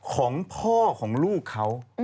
ของพ่อของลูกเขา